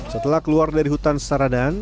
setelah keluar dari hutan setara dan